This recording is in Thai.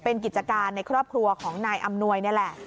เป็นกิจการในครอบครัวของนายอำนวยนี่แหละ